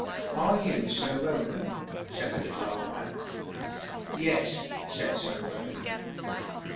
"Are you Sir Roland?" said the little old man. "Yes," said Sir Roland.